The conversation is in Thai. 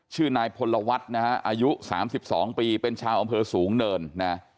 ชื่อนายพลวัฒน์นะฮะอายุ๓๒ปีเป็นชาวอำเภอสูงเนินนะ